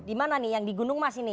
di mana nih yang di gunung mas ini